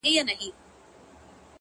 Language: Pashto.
• مــروره در څه نـه يمـه ه،